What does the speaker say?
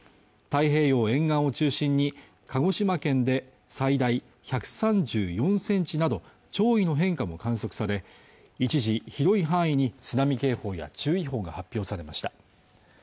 太平洋沿岸を中心に鹿児島県で最大１３４センチなど潮位の変化も観測され一時広い範囲に津波警報や注意報が発表されました